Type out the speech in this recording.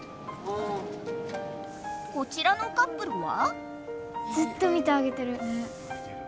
こちらのカップルは？